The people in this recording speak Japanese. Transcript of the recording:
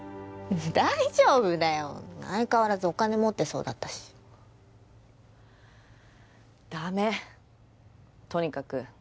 大丈夫だよ相変わらずお金持ってそうだったしダメとにかく